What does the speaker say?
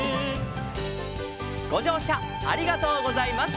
「ごじょうしゃありがとうございます」